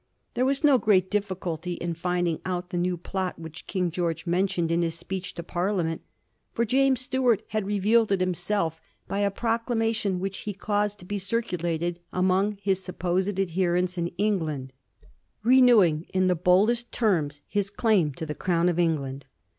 There was no great difficulty in finding out the new plot which King George mentioned in his speech to Parliament ; for James Stuart had revealed it himself by a proclamation which he caused to be circulated among his supposed ad herents in England, renewing in the boldest terms his claim to the crown of England.